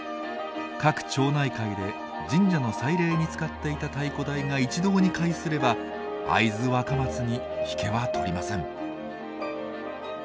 各町内会で神社の祭礼に使っていた太鼓台が一堂に会すれば会津若松に引けは取りません。